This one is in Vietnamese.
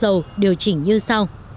giá xăng dầu điều chỉnh như sau